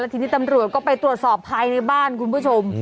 ทีนี้ตำรวจก็ไปตรวจสอบภายในบ้านคุณผู้ชม